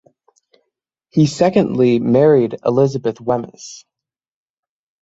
He secondly married Elizabeth Wemyss.